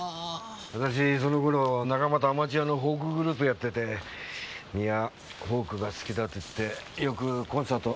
私その頃仲間とアマチュアのフォークグループやってて三輪フォークが好きだと言ってよくコンサート